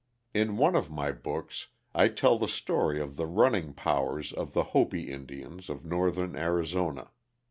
In one of my books I tell the story of the running powers of the Hopi Indians of northern Arizona.